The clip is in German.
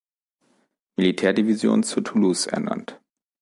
Militärdivision zu Toulouse ernannt.